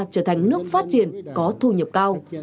đất đai đã trở thành nước phát triển có thu nhập cao